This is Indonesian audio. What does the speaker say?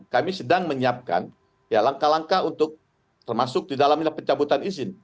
kami sedang menyiapkan langkah langkah untuk termasuk di dalamnya pencabutan izin